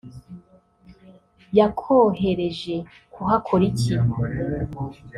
yakohereje kuhakora iki